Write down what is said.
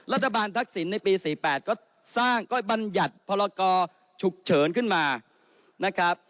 ทักษิณในปี๔๘ก็สร้างก็บรรยัติพรกรฉุกเฉินขึ้นมานะครับ